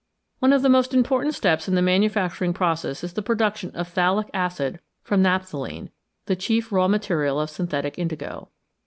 One of the most important steps in the manufacturing process is the production of phthalic acid from naphtha lene the chief raw material of synthetic indigo.